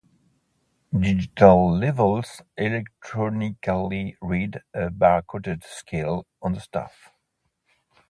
Digital levels electronically read a bar-coded scale on the staff.